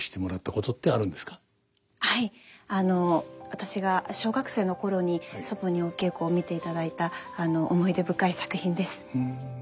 私が小学生の頃に祖母にお稽古を見ていただいた思い出深い作品です。